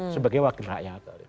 sebagai wakil rakyat